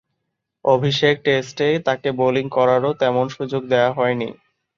অভিষেক টেস্টে তাকে বোলিং করারও তেমন সুযোগ দেয়া হয়নি।